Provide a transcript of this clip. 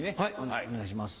はいお願いします。